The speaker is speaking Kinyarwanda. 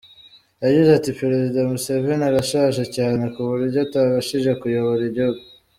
Yagize ati “Perezida Museveni arashaje cyane ku buryo atabashije kuyobora igihugu.